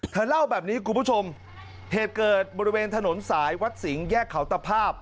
เล่าแบบนี้คุณผู้ชมเหตุเกิดบริเวณถนนสายวัดสิงห์แยกเขาตภาพ